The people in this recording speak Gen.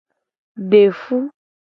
De fu.